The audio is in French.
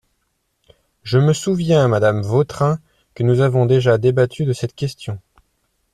Je me souviens, madame Vautrin, que nous avons déjà débattu de cette question.